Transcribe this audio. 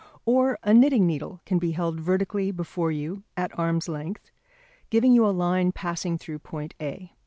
Or a knitting needle can be held vertically before you at arm's length, giving you a line passing through point A.